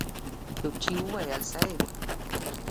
توپچي وويل: صېب!